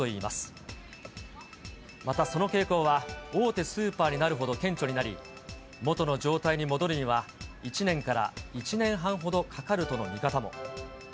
また、その傾向は大手スーパーになるほど顕著になり、元の状態に戻るには、１年から１年半ほどかかるとの見方も。